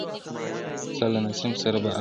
ستا له نسیم سره به الوزمه-